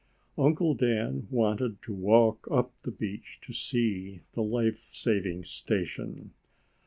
Uncle Dan wanted to walk up the beach to see the life saving station.